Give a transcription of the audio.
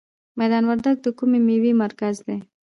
میدان وردګ د کومې میوې مرکز دی؟